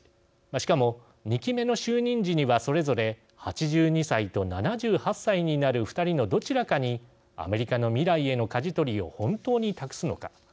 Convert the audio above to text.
しかも２期目の就任時にはそれぞれ８２歳と７８歳になる２人のどちらかにアメリカの未来へのかじ取りを本当に託すのか。